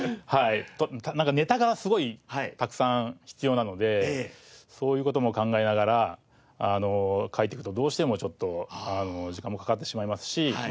なんかネタがすごいたくさん必要なのでそういう事も考えながら書いていくとどうしてもちょっと時間もかかってしまいますし。